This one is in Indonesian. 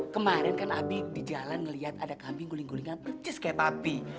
kemarin kan abi di jalan ngeliat ada kambing guling gulingan percis kayak papi